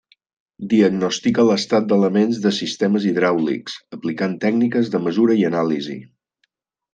Diagnostica l'estat d'elements de sistemes hidràulics, aplicant tècniques de mesura i anàlisi.